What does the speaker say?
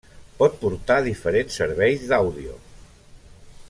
Pot portar diferents serveis d'àudio.